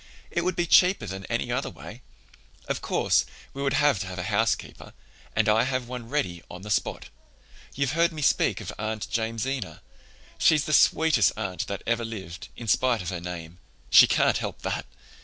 It would be cheaper than any other way. Of course, we would have to have a housekeeper and I have one ready on the spot. You've heard me speak of Aunt Jamesina? She's the sweetest aunt that ever lived, in spite of her name. She can't help that!